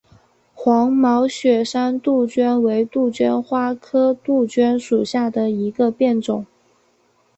黄毛雪山杜鹃为杜鹃花科杜鹃属下的一个变种。